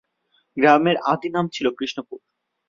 গ্রামের আদি নাম ছিল কৃ্ষ্ণপুর।